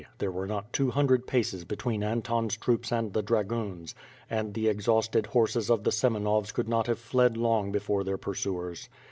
There were not two hundred paces between Anton's troops and the dragoons, and the exhaus ted horses of the Semenovs could not have fled long before their pursuers.